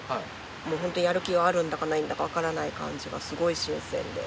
もうホントにやる気があるんだかないんだかわからない感じがすごい新鮮で。